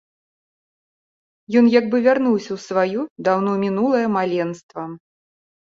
Ён як бы вярнуўся ў сваё, даўно мінулае, маленства.